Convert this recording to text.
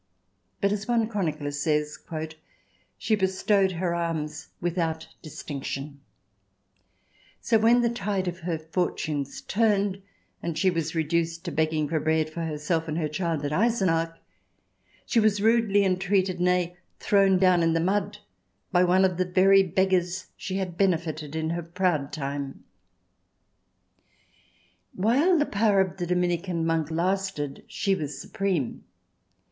But, as one chronicler says, " she bestowed her alms without distinction," so when the tide of her fortunes turned, and she was reduced to begging for bread for herself and her child at Eisenach, she was rudely entreated — nay, thrown down in the mud — by one of the very beggars she had benefited in her proud time. While the power of the Dominican monk lasted she was supreme.